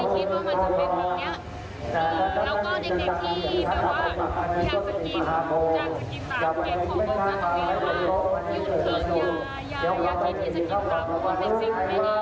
เกรดขอบคุณสำหรับการหยุดเขินอย่าคิดว่าจะกินกับคนเศรียร์สีคมะดี